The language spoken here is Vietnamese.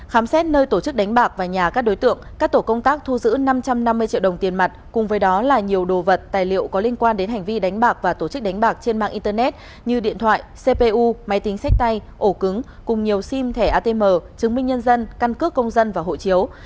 khám xét nơi tổ chức đánh bạc và nhà các đối tượng các tổ công tác thu giữ năm trăm năm mươi triệu đồng tiền mặt cùng với đó là nhiều đồ vật tài liệu có liên quan đến hành vi đánh bạc và tổ chức đánh bạc trên mạng internet như điện thoại cpu máy tính sách tay ổ cứng cùng nhiều sim thẻ atm chứng minh nhân dân căn cước công dân và hộ chiếu